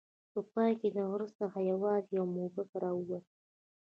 په پای کې له غره څخه یوازې یو موږک راووت.